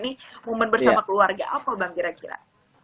ini momen bersama keluarga apa bang kira kira